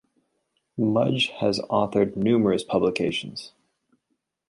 Mudge has authored numerous publications.